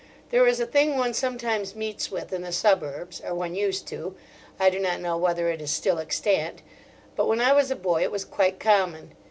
There is a thing one sometimes meets with in the suburbs—or one used to; I do not know whether it is still extant, but when I was a boy it was quite common.